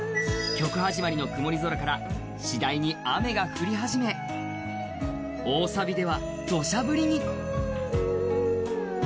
曲始まりの曇り空から次第に雨が降り始め、大サビではどしゃ降りに。